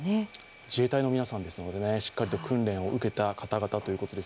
自衛隊の皆さんですので、しっかりと訓練を受けた方々です。